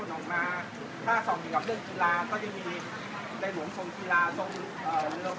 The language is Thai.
ได้แกรนมันไงครับ